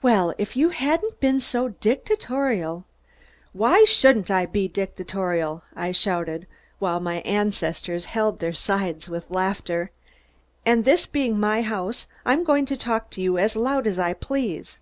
"Well, if you hadn't been so dictatorial " "Why shouldn't I be dictatorial?" I shouted, while my ancestors held their sides with laughter, "and this being my house I'm going to talk as loud as I please.